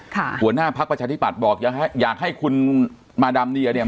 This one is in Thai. หัวหน้าภักดิ์ประชาธิปัตย์บอกอยากให้คุณมาดามเนีย